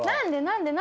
何で？